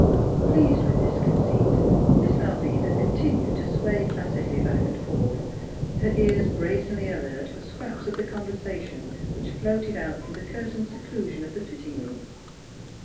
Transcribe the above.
Pleased with this conceit, Miss Malvina con tinued to sway placidly back and forth, her ears brazenly alert for scraps of the conversation which floated out from the curtained seclusion of the fitting room.